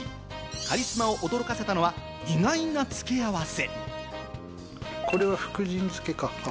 カリスマを驚かせたのは意外な付け合せ。